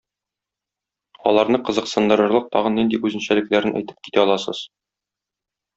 Аларны кызыксындырырлык тагын нинди үзенчәлекләрен әйтеп китә аласыз?